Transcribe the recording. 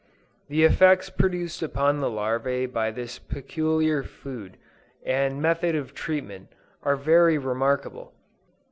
The effects produced upon the larvæ by this peculiar food and method of treatment, are very remarkable.